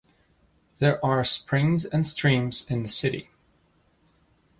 There are springs and streams in the city.